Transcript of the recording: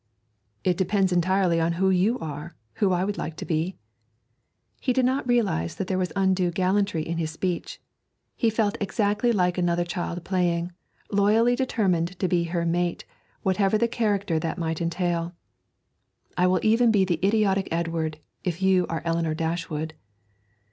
'It depends entirely on who you are, who I would like to be.' He did not realise that there was undue gallantry in his speech; he felt exactly like another child playing, loyally determined to be her mate, whatever the character that might entail. 'I will even be the idiotic Edward if you are Eleanor Dashwood.'